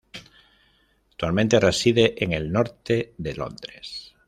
Actualmente reside en el norte de Londres.